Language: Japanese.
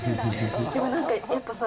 でも何かやっぱさ。